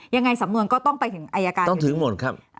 ยังไงสำนวนก็ต้องไปถึงอายการต้องถึงหมดครับ